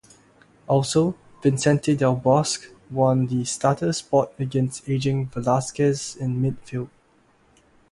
Also Vicente del Bosque won the starter spot against ageing Velazquez in midfield.